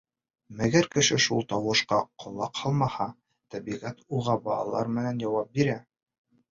Мәгәр кеше шул тауышҡа ҡолаҡ һалмаһа, тәбиғәт уға бәләләр менән яуап бирә.